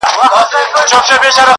دغه سپينه سپوږمۍ,